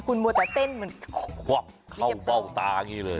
คุณมัวแต่เต้นเหมือนควักเข้าเบ้าตาอย่างนี้เลย